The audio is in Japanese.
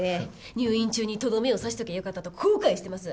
入院中にとどめを刺しときゃよかったと後悔してます。